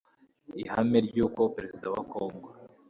Ihame ry uko Perezida wa congo